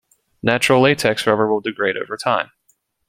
Natural latex rubber will degrade over time.